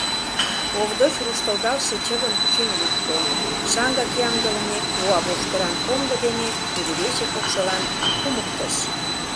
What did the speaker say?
Овдоч руштылдалше чывым кучен лукто, шаҥгак ямдылыме уа воштыран комдо дене кудывече покшелан кумыктыш.